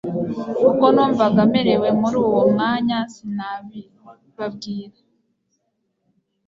Uko numvaga merewe muri uwo mwanya sinabibabwira